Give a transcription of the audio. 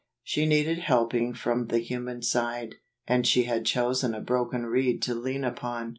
She needed helping from the human side ; and she had chosen a broken reed to lean upon.